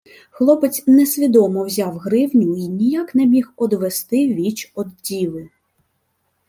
Хлопець несвідомо взяв гривню й ніяк не міг одвести віч од діви.